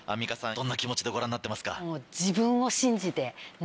どんな気持ちでご覧になってますか？